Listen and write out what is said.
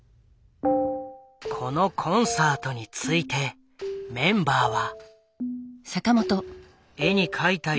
このコンサートについてメンバーは。